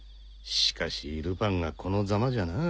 しかしルパンがこのザマじゃな。